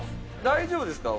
大丈夫ですか？